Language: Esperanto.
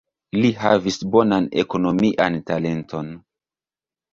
Li havis bonan ekonomian talenton.